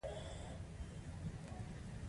ځکه هر یوه په یوه څانګه کې تخصص درلود